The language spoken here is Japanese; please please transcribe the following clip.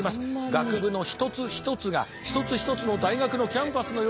学部の一つ一つが一つ一つの大学のキャンパスのようであります。